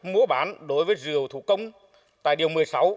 múa bán đối với rượu thủ công tại điều một mươi sáu